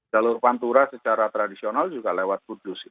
jalur pantura secara tradisional juga lewat kudus